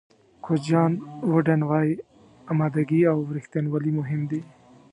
کوچ جان ووډن وایي آمادګي او رښتینولي مهم دي.